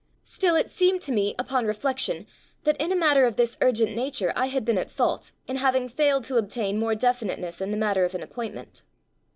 Still it seemed to me (upon reflection) that in a matter of this urgent nature I had been at fault in having failed to obtain more definite ness in the matter of an appointment.